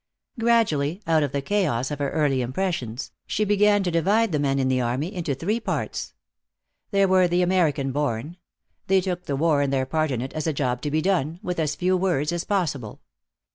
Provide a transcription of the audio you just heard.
Gradually, out of the chaos of her early impressions, she began to divide the men in the army into three parts. There were the American born; they took the war and their part in it as a job to be done, with as few words as possible.